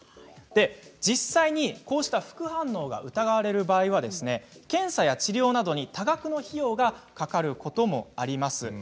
実際にこうした副反応が疑われる場合、検査や治療などに多額の費用がかかることもあります。